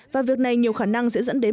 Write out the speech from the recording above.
và việc này nhiều khả năng sẽ dẫn đến